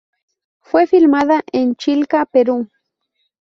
Fue filmada en Chilca, Perú.